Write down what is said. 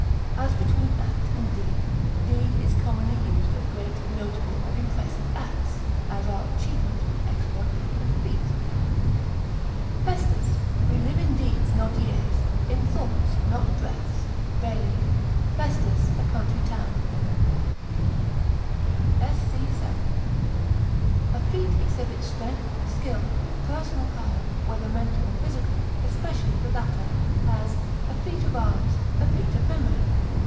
As between act and deed, deed is commonly used of great, notable, and impressive acts, as are achievement, exploit, and feat. Festus: We live in deeds, not years; in thoughts, not breaths. BAILEY Festus, A Country Town, sc. 7. A feat exhibits strength, skill, personal power, whether mental or physical, especially the latter; as, a feat of arms, a feat of memory.